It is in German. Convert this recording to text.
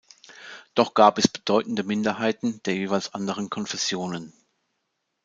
Doch gab es bedeutende Minderheiten der jeweils anderen Konfessionen.